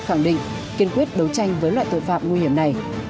khẳng định kiên quyết đấu tranh với loại tội phạm nguy hiểm này